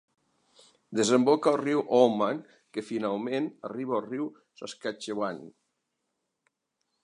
Desemboca al riu Oldman que finalment arriba al riu Saskatchewan.